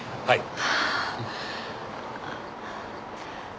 はい？